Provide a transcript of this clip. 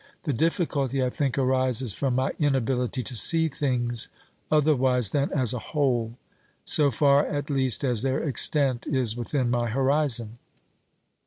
The difficulty, I think, arises from my inability to see things otherwise than as a whole, so far at least as their extent is within my horizon.